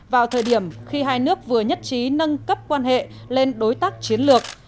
vào thời điểm khi hai nước vừa nhất trí nâng cấp quan hệ lên đối tác chiến lược